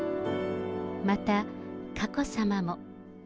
また、佳子さまも。